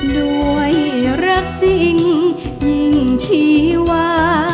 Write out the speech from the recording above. ด้วยรักจริงยิ่งชีวา